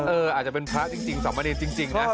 อาจจะเป็นพระจริงสามเณรจริงนะ